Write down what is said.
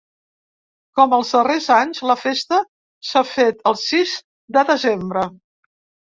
Com els darrers anys, la festa s’ha fet el sis de desembre.